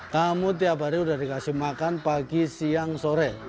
kamu tiap hari sudah dikasih makan pagi siang sore